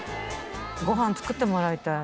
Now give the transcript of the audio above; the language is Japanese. ご飯作ってもらいたい。